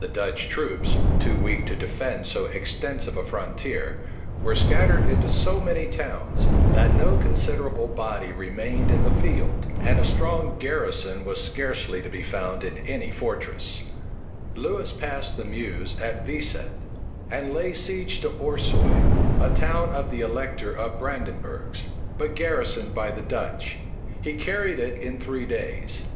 The Dutch troops, too weak to defend so extensive a frontier, were scattered into so many towns, that no considerable body remained in the field and a strong garrison was scarcely to be found in any fortress Lewis passed the Meuse at Viset; and laying siege to Orsoi, a town of the elector of Brandenburgh's, but garrisoned by the Dutch, he carried it in three days.